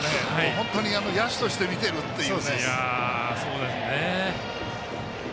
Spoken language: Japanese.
本当に野手として見てるっていう。